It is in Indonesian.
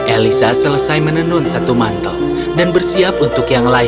elisa selesai menenun satu mantel dan bersiap untuk yang lain